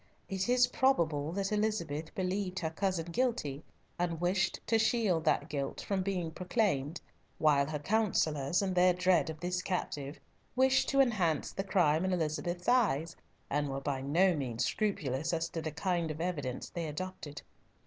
It is probable that Elizabeth believed her cousin guilty, and wished to shield that guilt from being proclaimed, while her councillors, in their dread of the captive, wished to enhance the crime in Elizabeth's eyes, and were by no means scrupulous as to the kind of evidence they adduced.